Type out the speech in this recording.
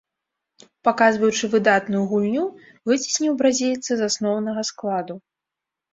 Паказваючы выдатную гульню, выцесніў бразільца з асноўнага складу.